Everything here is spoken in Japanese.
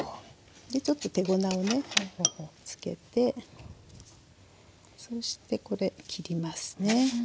でちょっと手粉をねつけてそしてこれ切りますね。